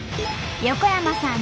横山さん